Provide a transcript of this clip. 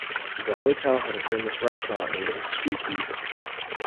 The hotel had a famous restaurant, named "Swee Kee".